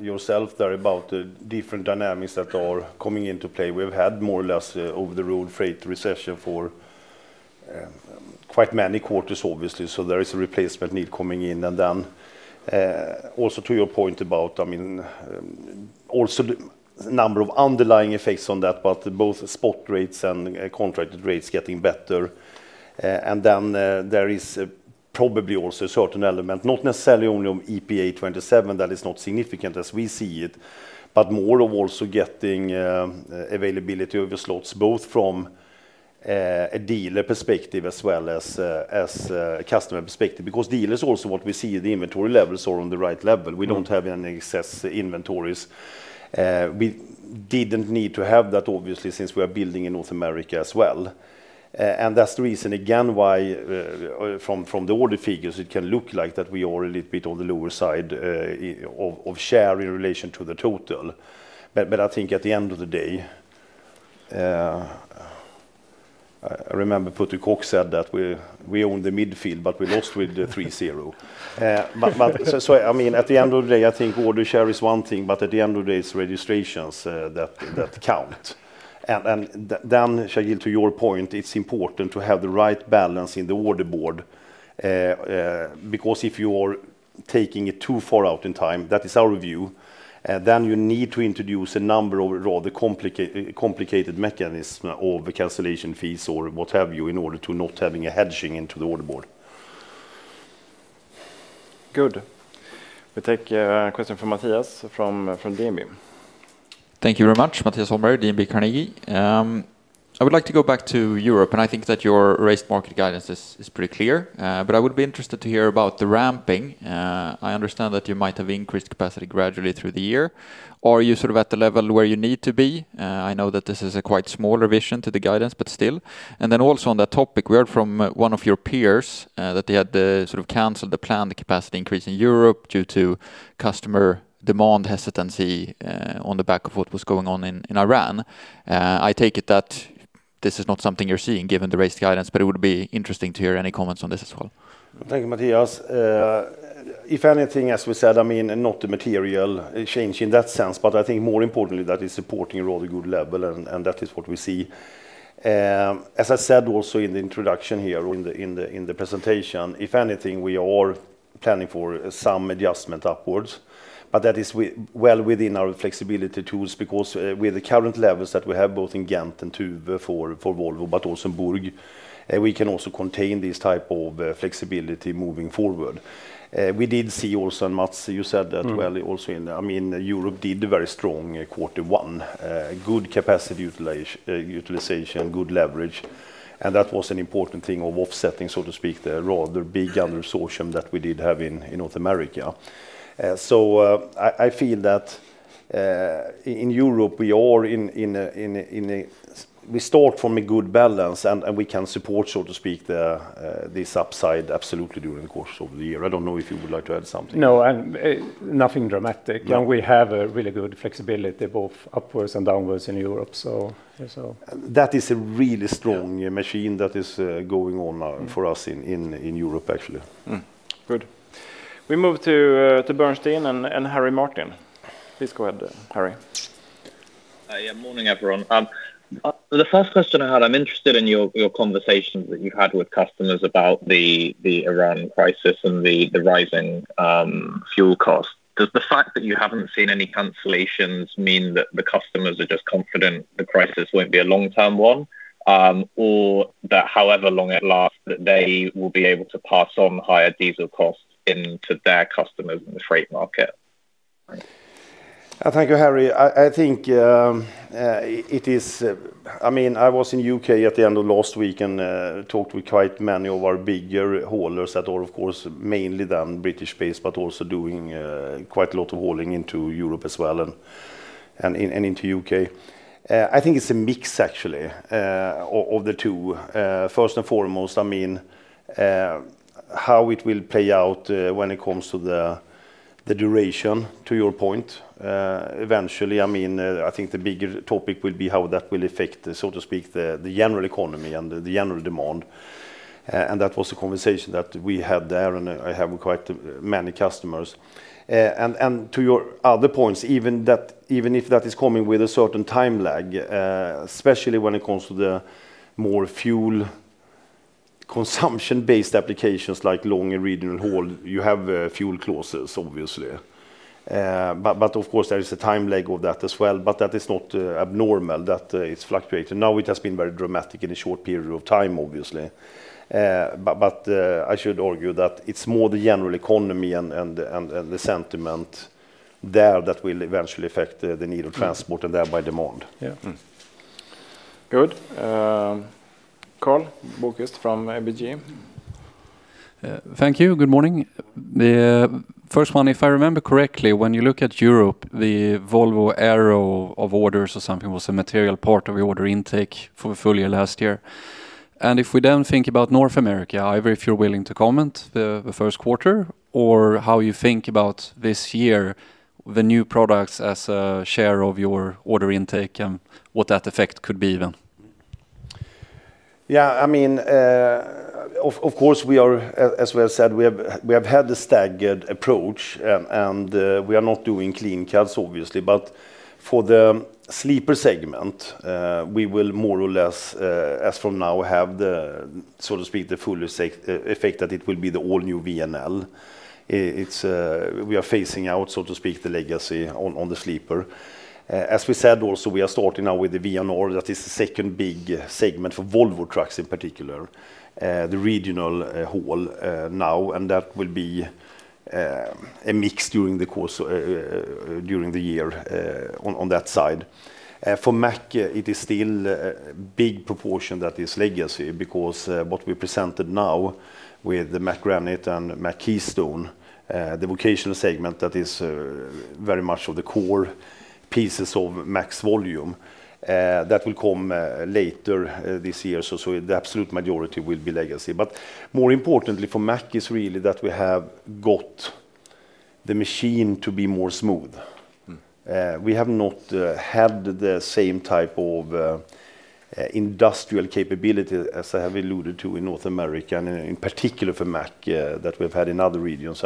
yourself there about the different dynamics that are coming into play. We've had more or less over-the-road freight recession for quite many quarters, obviously. There is a replacement need coming in. Also to your point about, also the number of underlying effects on that, but both spot rates and contracted rates getting better. There is probably also a certain element, not necessarily only on EPA 2027, that is not significant as we see it, but more of also getting availability of the slots, both from a dealer perspective as well as a customer perspective. Because dealers also what we see the inventory levels are on the right level. We don't have any excess inventories. We didn't need to have that, obviously, since we are building in North America as well. That's the reason, again, why from the order figures, it can look like that we are a little bit on the lower side of share in relation to the total. I think at the end of the day, I remember Putte Kock said that we own the midfield, but we lost with 3-0. At the end of the day, I think order share is one thing, but at the end of the day, it's registrations that count. Then, Shaqeal, to your point, it's important to have the right balance in the order board. Because if you are taking it too far out in time, that is our view, then you need to introduce a number of complicated mechanism of cancellation fees or what have you, in order to not having a hedging into the order board. Good. We take a question from Mattias from DNB. Thank you very much. Mattias Holmberg, DNB Carnegie. I would like to go back to Europe, and I think that your raised market guidance is pretty clear. I would be interested to hear about the ramping. I understand that you might have increased capacity gradually through the year. Are you at the level where you need to be? I know that this is a quite small revision to the guidance, but still. also on that topic, we heard from one of your peers, that they had to cancel the plan, the capacity increase in Europe due to customer demand hesitancy, on the back of what was going on in Iran. I take it that this is not something you're seeing given the raised guidance, but it would be interesting to hear any comments on this as well. Thank you, Mattias. If anything, as we said, not a material change in that sense, but I think more importantly, that is supporting a rather good level, and that is what we see. As I said also in the introduction here in the presentation, if anything, we are planning for some adjustment upwards. That is well within our flexibility tools, because with the current levels that we have both in Ghent and Tuve for Volvo, but also in Borås, we can also contain this type of flexibility moving forward. We did see also, and Mats, you said that as well. Europe did a very strong quarter one, good capacity utilization, good leverage, and that was an important thing of offsetting, so to speak, the rather big under absorption that we did have in North America. I feel that in Europe we start from a good balance and we can support, so to speak, this upside absolutely during the course of the year. I don't know if you would like to add something. No, nothing dramatic. No. We have a really good flexibility both upwards and downwards in Europe. That is a really strong momentum that is going on now for us in Europe, actually. Good. We move to Bernstein and Harry Martin. Please go ahead, Harry. Morning, everyone. The first question I had, I'm interested in your conversations that you had with customers about the Iran crisis and the rising fuel costs. Does the fact that you haven't seen any cancellations mean that the customers are just confident the crisis won't be a long-term one? Or that however long it lasts, that they will be able to pass on higher diesel costs into their customers in the freight market? Thank you, Harry. I was in U.K. at the end of last week and talked with quite many of our bigger haulers that are, of course, mainly then British-based, but also doing quite a lot of hauling into Europe as well, and into U.K. I think it's a mix, actually, of the two. First and foremost, how it will play out when it comes to the duration, to your point. Eventually, I think the bigger topic will be how that will affect, so to speak, the general economy and the general demand. That was the conversation that we had there, and I have with quite many customers. To your other points, even if that is coming with a certain time lag, especially when it comes to the more fuel consumption-based applications like long regional haul, you have fuel clauses, obviously. Of course, there is a time lag of that as well, but that is not abnormal that it's fluctuating. Now, it has been very dramatic in a short period of time, obviously. I should argue that it's more the general economy and the sentiment there that will eventually affect the need of transport and thereby demand. Yeah. Good. Karl Bokvist from ABG. Thank you. Good morning. The first one, if I remember correctly, when you look at Europe, the Volvo Aero orders or something was a material part of your order intake full year, last year. If we then think about North America, I don't know if you're willing to comment the first quarter, or how you think about this year, the new products as a share of your order intake and what that effect could be then? Yeah. Of course, as we have said, we have had the staggered approach, and we are not doing clean cuts, obviously. For the sleeper segment, we will more or less, as from now, have the, so to speak, the full effect that it will be the all-new VNL. We are phasing out, so to speak, the legacy on the sleeper. As we said also, we are starting now with the VNR. That is the second big segment for Volvo Trucks in particular, the regional haul now, and that will be a mix during the year on that side. For Mack, it is still a big proportion that is legacy, because what we presented now with the Mack Granite and Mack Keystone, the vocational segment that is very much of the core pieces of Mack's volume. That will come later this year. The absolute majority will be legacy. More importantly for Mack is really that we have got the machine to be more smooth. Mm-hmm. We have not had the same type of industrial capability as I have alluded to in North America, and in particular for Mack, that we've had in other regions.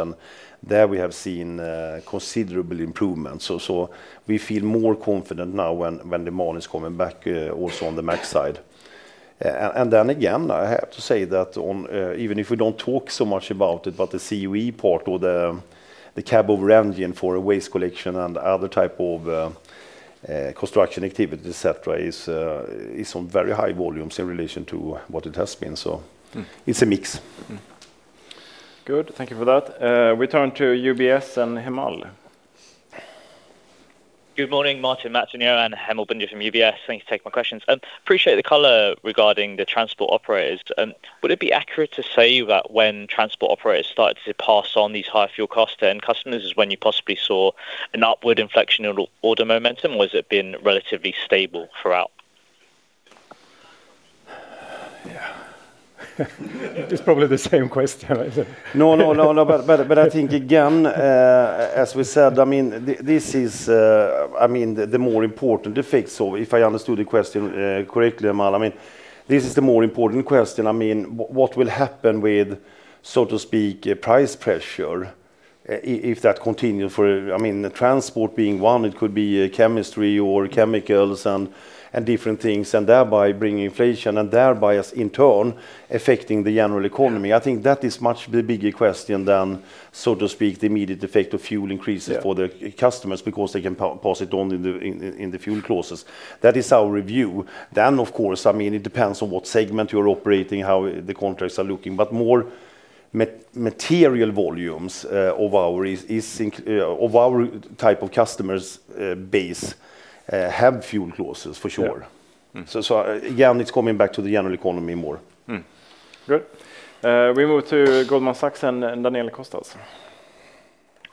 There we have seen considerable improvements. We feel more confident now when demand is coming back also on the Mack side. Then again, I have to say that even if we don't talk so much about it, but the COE part or the cab over engine for waste collection and other type of construction activity, et cetera, is on very high volumes in relation to what it has been. It's a mix. Good. Thank you for that. We turn to UBS and Hemal. Good morning, Martin, Mats, and Johan. Hemal Bhundia from UBS. Thank you for taking my questions. Appreciate the color regarding the transport operators. Would it be accurate to say that when transport operators started to pass on these higher fuel costs to end customers is when you possibly saw an upward inflection in order momentum, or has it been relatively stable throughout? Yeah. It's probably the same question. No, but I think, again, as we said, this is the more important effect. If I understood the question correctly, Hemal, This is the more important question. What will happen with, so to speak, price pressure, if that continue? Transport being one, it could be chemistry or chemicals and different things, and thereby bringing inflation, and thereby, in turn, affecting the general economy. I think that is much the bigger question than, so to speak, the immediate effect of fuel increases for the customers because they can pass it on in the fuel clauses. That is our review. Of course, it depends on what segment you're operating, how the contracts are looking. More material volumes of our type of customers base have fuel clauses, for sure. Yeah. Again, it's coming back to the general economy more. Good. We move to Goldman Sachs and Daniela Costa.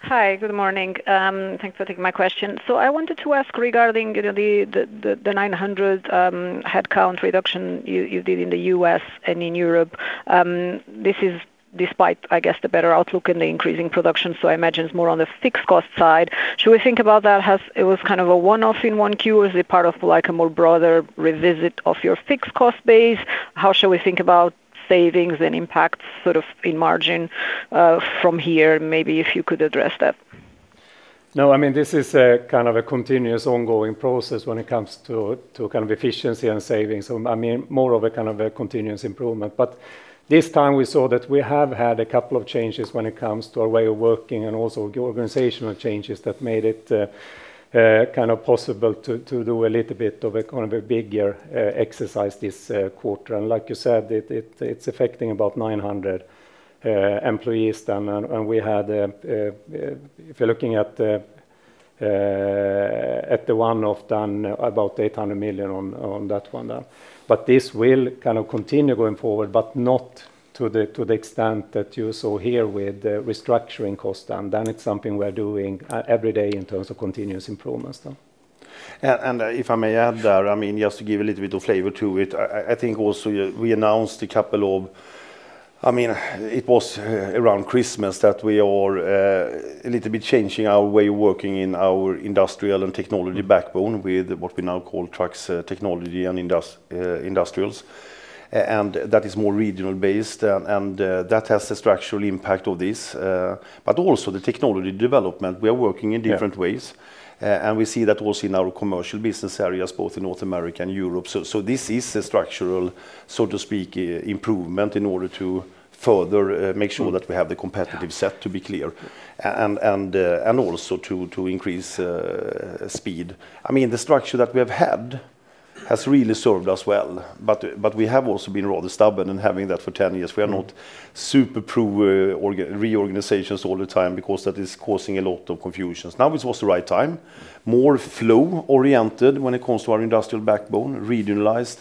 Hi. Good morning. Thanks for taking my question. I wanted to ask regarding the 900 headcount reduction you did in the U.S. and in Europe. This is despite, I guess, the better outlook in the increasing production, so I imagine it's more on the fixed cost side. Should we think about that as it was a one-off in 1Q? Is it part of a more broader revisit of your fixed cost base? How should we think about savings and impacts in margin from here? Maybe if you could address that. No, this is a continuous ongoing process when it comes to efficiency and savings. More of a continuous improvement. This time we saw that we have had a couple of changes when it comes to our way of working and also organizational changes that made it possible to do a little bit of a bigger exercise this quarter. Like you said, it's affecting about 900 employees. If you're looking at the one-off, then about 800 million on that one. This will continue going forward, but not to the extent that you saw here with the restructuring cost. It's something we are doing every day in terms of continuous improvements. If I may add there, just to give a little bit of flavor to it, I think also we announced. It was around Christmas that we are a little bit changing our way of working in our industrial and technology backbone with what we now call Trucks Technology and Industrial. That is more regionally based, and that has a structural impact on this. Also the technology development, we are working in different ways. Yeah. We see that also in our commercial business areas, both in North America and Europe. This is a structural, so to speak, improvement in order to further make sure that we have the competitive set, to be clear. Yeah. Also to increase speed. The structure that we have had has really served us well. We have also been rather stubborn in having that for 10 years. We are not super pro reorganizations all the time because that is causing a lot of confusion. Now it was the right time. More flow-oriented when it comes to our industrial backbone, regionalized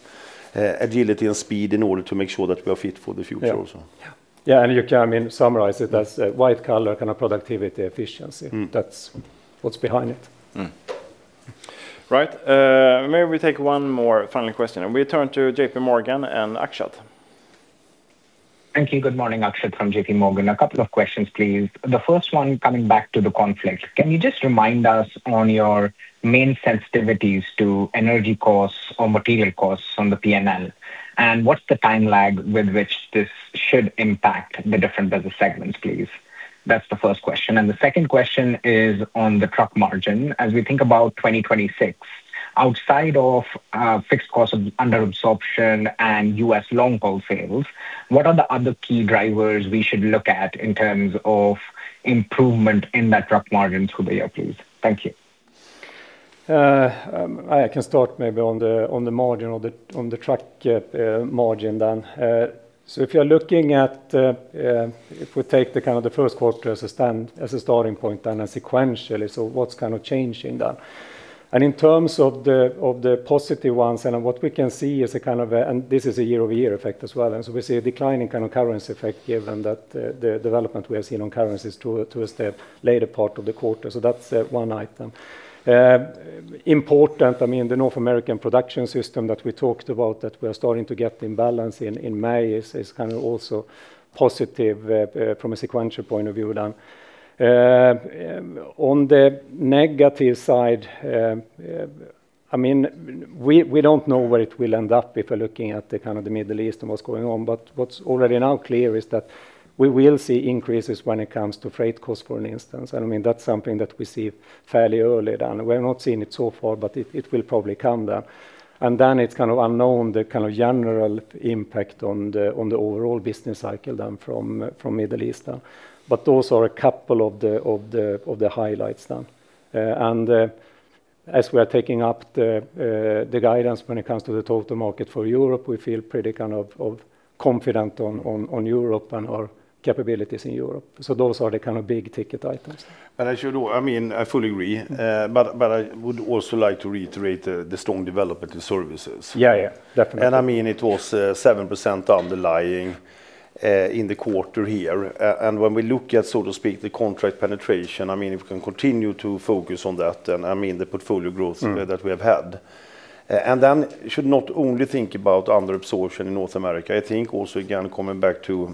agility and speed in order to make sure that we are fit for the future also. Yeah. Yeah. Yeah, you can summarize it as a white collar kind of productivity efficiency. Mm. That's what's behind it. Maybe we take one more final question, and we turn to JPMorgan and Akshat. Thank you. Good morning. Akshat from JPMorgan. A couple of questions, please. The first one, coming back to the conflict, can you just remind us on your main sensitivities to energy costs or material costs on the P&L? What's the time lag with which this should impact the different business segments, please? That's the first question. The second question is on the truck margin. As we think about 2026, outside of fixed cost under absorption and U.S. long-haul sales, what are the other key drivers we should look at in terms of improvement in that truck margin through the year, please? Thank you. I can start maybe on the margin, on the truck margin then. If we take the first quarter as a starting point, then sequentially, what's changing there? In terms of the positive ones, what we can see is a year-over-year effect as well. We see a decline in currency effect given that the development we have seen on currencies towards the later part of the quarter. That's one item. Important, the North American production system that we talked about, that we are starting to get in balance in May, is also positive from a sequential point of view then. On the negative side, we don't know where it will end up if we're looking at the Middle East and what's going on. What's already now clear is that we will see increases when it comes to freight costs, for instance. That's something that we see fairly early, and we have not seen it so far, but it will probably come then. It's unknown the general impact on the overall business cycle then from Middle East. Those are a couple of the highlights then. As we are taking up the guidance when it comes to the total market for Europe, we feel pretty confident on Europe and our capabilities in Europe. Those are the big-ticket items. I fully agree. I would also like to reiterate the strong development in services. Yeah. Definitely. It was 7% underlying in the quarter here. When we look at, so to speak, the contract penetration, if we can continue to focus on that, and the portfolio growth- Mm that we have had. We should not only think about under absorption in North America. I think also, again, coming back to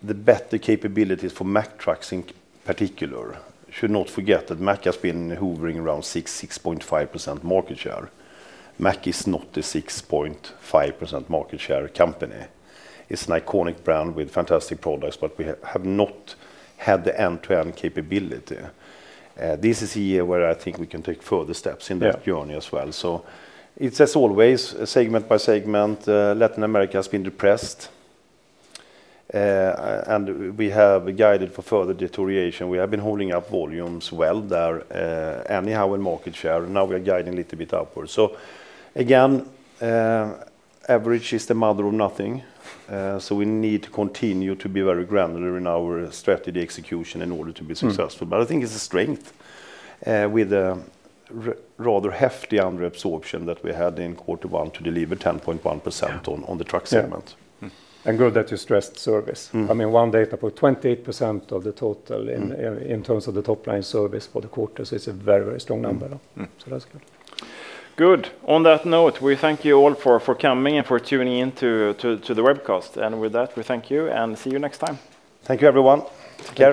the better capabilities for Mack Trucks in particular, we should not forget that Mack has been hovering around 6%, 6.5% market share. Mack is not a 6.5% market share company. It's an iconic brand with fantastic products, but we have not had the end-to-end capability. This is a year where I think we can take further steps in that. Yeah... journey as well. It's, as always, segment by segment. Latin America has been depressed. We have guided for further deterioration. We have been holding up volumes well there anyhow in market share, and now we are guiding a little bit upward. Again, average is the mother of nothing. We need to continue to be very granular in our strategy execution in order to be successful. Mm. I think it's a strength, with a rather hefty under absorption that we had in quarter one to deliver 10.1% on the truck segment. Yeah. Mm. Good that you stressed service. Mm. One data point, 28% of the total in terms of the top line service for the quarter. It's a very strong number. Mm. That's good. Good. On that note, we thank you all for coming and for tuning in to the webcast. With that, we thank you, and see you next time. Thank you, everyone. Take care.